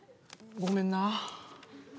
ごめんな。